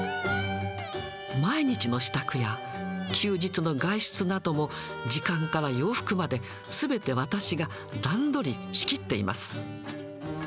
毎日の支度や休日の外出なども、時間から洋服まで、すべて私が段取り、仕切っています。